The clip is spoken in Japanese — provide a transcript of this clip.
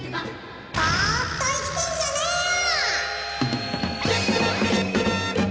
ボーっと生きてんじゃねーよ！